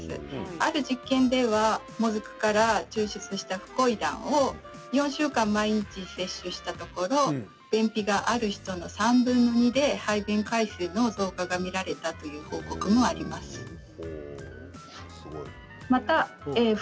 ある実験では、もずくから抽出したフコイダンを４週間、毎日摂取したところ便秘がある人の３分の２で排便回数の増加が見られたという報告もあります。